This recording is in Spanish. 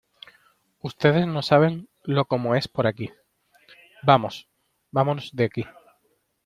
¡ Ustedes no saben lo como es por aquí! Vamos, vámonos de aquí.